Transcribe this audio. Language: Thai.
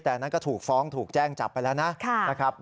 แต่อันนั้นก็ถูกฟ้องถูกแจ้งจับไปแล้วนะครับ